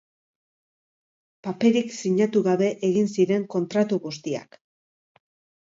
Paperik sinatu gabe egin ziren kontratu guztiak.